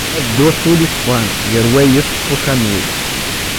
Ad dduɣ s wul yeṣfan gar wayt uxxam-iw.